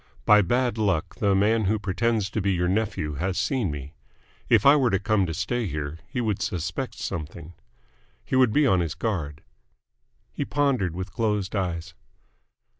By bad luck the man who pretends to be your nephew has seen me. If I were to come to stay here, he would suspect something. He would be on his guard." He pondered with closed eyes.